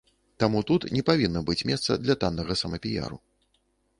Таму тут не павінна быць месца для таннага самапіяру.